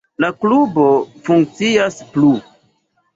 La klubo funkcias plu.